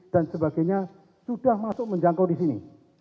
dan sebagainya sudah masuk menjangkau di sini